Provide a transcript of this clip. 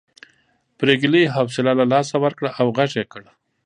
پريګلې حوصله له لاسه ورکړه او غږ یې کړ